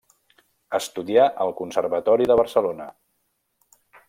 Estudià al conservatori de Barcelona.